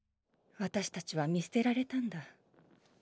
私たちは見捨てられたんだ。